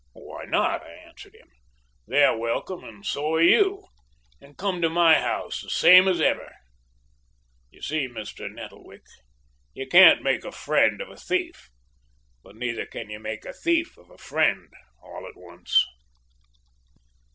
"'Why not?' I answered him. 'They're welcome, and so are you. And come to my house, the same as ever.' You see, Mr. Nettlewick, you can't make a friend of a thief, but neither can you make a thief of a friend, all at once."